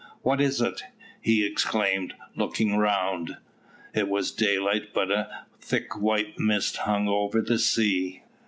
"What is it?" he exclaimed, looking around. It was daylight, but a thick white mist hung over the sea.